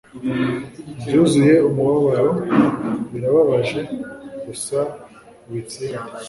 byuzuye umubabaro .. birababaje, gusa ubitsinde